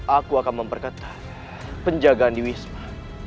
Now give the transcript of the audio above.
aku akan memperketat penjagaan di wisma